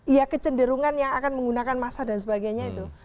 ya kecenderungan yang akan menggunakan masa dan sebagainya itu